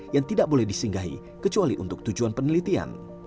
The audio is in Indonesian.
yang tidak boleh disinggahi kecuali untuk tujuan penelitian